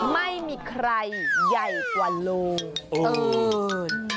ไม่มีใครใหญ่กว่าลงเติ้ล